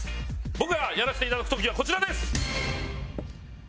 僕がやらせていただく特技はこちらです！